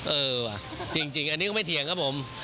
เออว่ะจริงอันนี้ก็ไม่เถียงครับผม